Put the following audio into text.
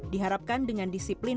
diharapkan dengan disiplin